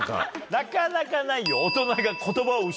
なかなかないよ。